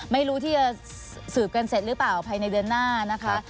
ไม่รู้ที่จะสืบกันเสร็จหรือเปล่าภายในเดือนหน้านะคะ